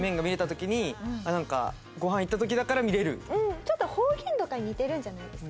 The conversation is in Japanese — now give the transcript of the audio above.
ちょっと方言とかに似てるんじゃないですか？